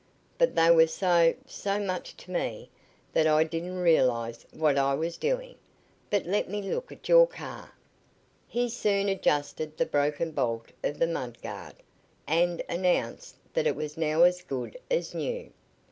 But they were so so much to me that I didn't realize what I was doing. But let me look at your car." He soon adjusted the broken bolt of the mud guard, and announced that it was now as good as new.